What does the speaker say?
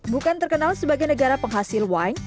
bukan terkenal sebagai negara penghasil wine